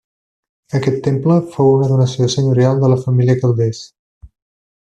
Aquest temple fou una donació senyorial de la família Calders.